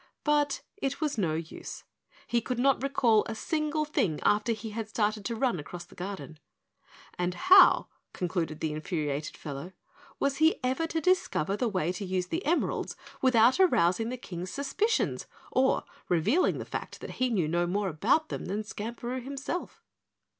But it was no use. He could not recall a single thing after he had started to run across the garden. And how, concluded the infuriated fellow, was he ever to discover the way to use the emeralds without arousing the King's suspicions or revealing the fact that he knew no more about them than Skamperoo himself?